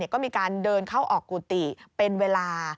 ก็มีการเดินเข้าออกกุฏิเป็นเวลา